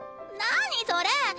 何それ！